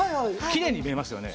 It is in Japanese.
きれいに見えますよね？